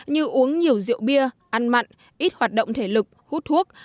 như uống nhiều rượu bia ăn mặn ít hoạt động thể lực hút thuốc